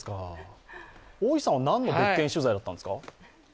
大石さんは何の別件取材だったんですか。